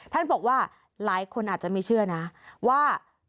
ท่านบอกว่าหลายคนอาจจะไม่เชื่อนะว่า